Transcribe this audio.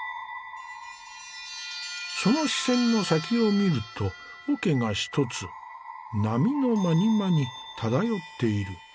その視線の先を見ると桶が１つ波のまにまに漂っている。